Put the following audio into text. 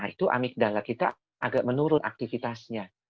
itu amigdala kita agak menurun aktivitasnya